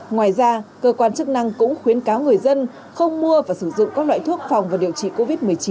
ngoài ra cơ quan chức năng cũng khuyến cáo người dân không mua và sử dụng các loại thuốc phòng và điều trị covid một mươi chín